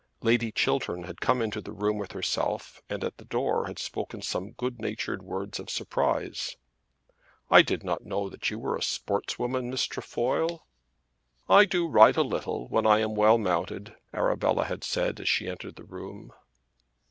Lady Chiltern had come into the room with herself, and at the door had spoken some good natured words of surprise. "I did not know that you were a sportswoman, Miss Trefoil." "I do ride a little when I am well mounted," Arabella had said as she entered the room.